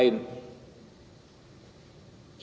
sehingga mereka bisa menggrojoki kita dengan produk produk